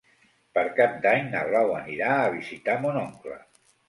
Per Cap d'Any na Blau anirà a visitar mon oncle.